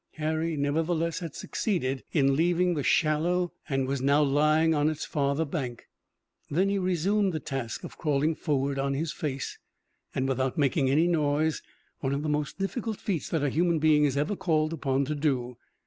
Harry nevertheless had succeeded in leaving the shallow and was now lying on its farther bank. Then he resumed the task of crawling forward on his face, and without making any noise, one of the most difficult feats that a human being is ever called upon to do.